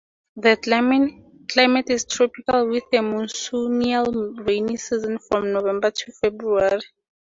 The climate is tropical with a monsoonial rainy season from November to February.